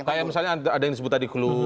kayak misalnya ada yang disebut tadi clue